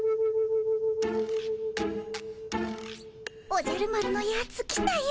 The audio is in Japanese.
おじゃる丸のやつ来たよ。